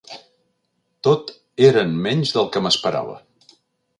Tot eren menys del que m'esperava.